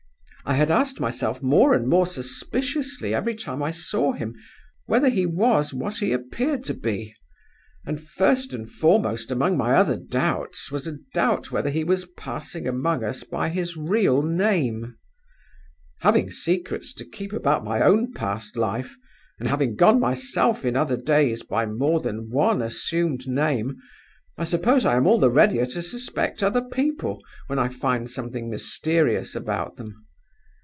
I had asked myself more and more suspiciously every time I saw him whether he was what he appeared to be; and first and foremost among my other doubts was a doubt whether he was passing among us by his real name. Having secrets to keep about my own past life, and having gone myself in other days by more than one assumed name, I suppose I am all the readier to suspect other people when I find something mysterious about them.